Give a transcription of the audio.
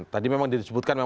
tadi memang disebutkan